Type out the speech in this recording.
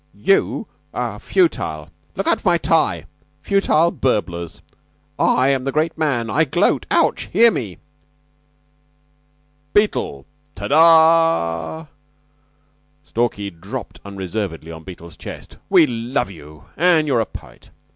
"You are futile look out for my tie! futile burblers. I am the Great Man. I gloat. Ouch! Hear me!" "Beetle, de ah" Stalky dropped unreservedly on Beetle's chest "we love you, an' you're a poet.